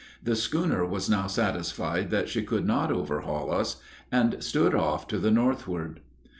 The schooner was now satisfied that she could not overhaul us, and stood off to the northward.